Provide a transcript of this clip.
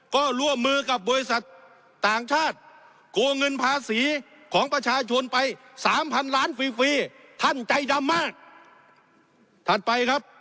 ก็ร่วมมือกับบริษัทต่างชาติโกงเงินภาษีของประชาชนไปสามพันล้านฟรีฟรีท่านใจดำมากถัดไปครับ